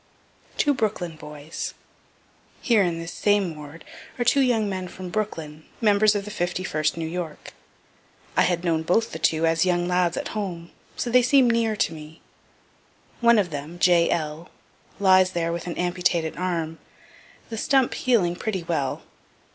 TWO BROOKLYN BOYS Here in this same ward are two young men from Brooklyn, members of the 51st New York. I had known both the two as young lads at home, so they seem near to me. One of them, J. L., lies there with an amputated arm, the stump healing pretty well.